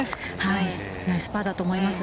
ナイスパーだと思います。